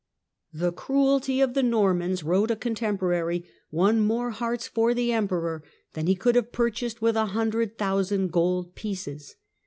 The cruelty of the Normans, wrote a contemporary, won more hearts for the Emperor than he could have purchased with a hundred thousand gold pieces.